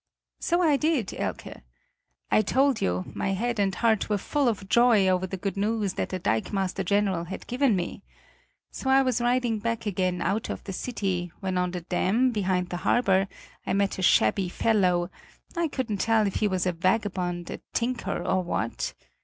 "So I did, Elke. I told you, my head and heart were full of joy over the good news that the dikemaster general had given me. So I was riding back again out of the city, when on the dam, behind the harbor, I met a shabby fellow I couldn't tell if he was a vagabond, a tinker, or what.